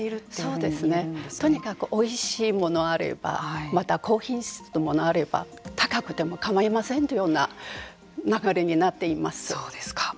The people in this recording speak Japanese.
とにかくおいしいものがあればまた高品質のものがあれば高くても構いませんというような流れになっています。